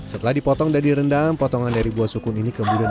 setelah dipotong dan direndam potongan dari buah sukun ini kemudian